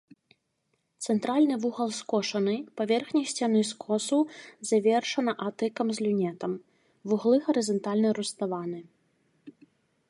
Цэнтральны вугал скошаны, паверхня сцяны скосу завершана атыкам з люнетам, вуглы гарызантальна руставаны.